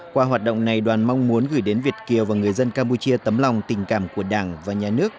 qua hoạt động này đoàn mong muốn gửi đến việt kiều và người dân campuchia tấm lòng tình cảm của đảng và nhà nước